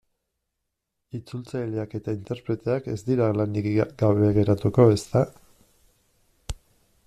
Itzultzaileak eta interpreteak ez dira lanik gabe geratuko, ezta?